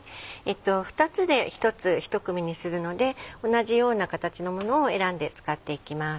２つで１つひと組にするので同じような形のものを選んで使っていきます。